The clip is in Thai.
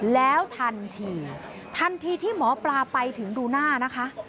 แล้วทันทีทันทีที่หมอปลาไปถึงดูหน้านะคะ